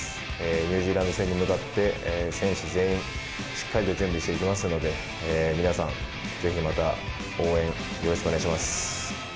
ニュージーランド戦に向かって、選手全員、しっかりと準備していきますので、皆さん、ぜひまた応援、よろしくお願いします。